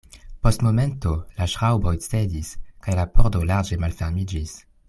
Post momento la ŝraŭboj cedis, kaj la pordo larĝe malfermiĝis.